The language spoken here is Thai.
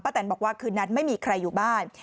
แตนบอกว่าคืนนั้นไม่มีใครอยู่บ้าน